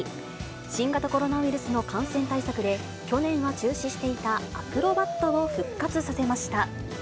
新型コロナウイルスの感染対策で、去年は中止していたアクロバットを復活させました。